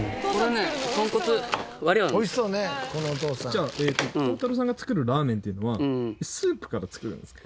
じゃあ耕太郎さんが作るラーメンっていうのはスープから作るんですか？